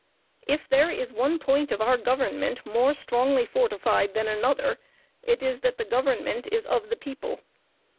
If there is one point of our government more strongly fortified than another, it is that the government is of the people.